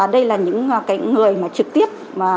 đây là những người trực tiếp